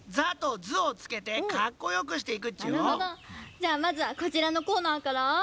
じゃあまずはこちらのコーナーから。